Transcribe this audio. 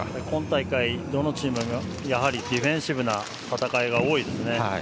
今大会、どのチームもやはりディフェンシブな戦いが多いですね。